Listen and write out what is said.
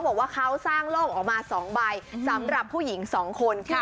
บอกว่าเขาสร้างโลกออกมา๒ใบสำหรับผู้หญิง๒คน